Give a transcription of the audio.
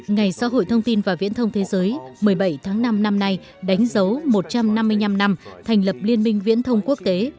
ngày xã hội thông tin và viễn thông thế giới một mươi bảy tháng năm năm nay đánh dấu một trăm năm mươi năm năm thành lập liên minh viễn thông quốc tế